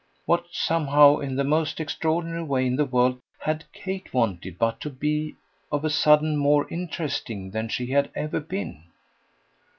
What, somehow, in the most extraordinary way in the world, HAD Kate wanted but to be, of a sudden, more interesting than she had ever been?